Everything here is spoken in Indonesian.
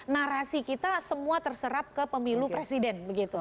narasi kita semua terserap ke pemilu presiden begitu